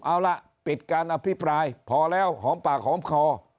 เอาล่ะปิดการอภิปรายพอแล้วหอมปากหอมคอ